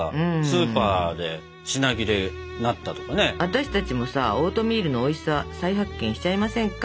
私たちもさオートミールのおいしさ再発見しちゃいませんか？